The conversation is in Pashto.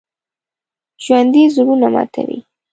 ژوندي زړونه ماتوي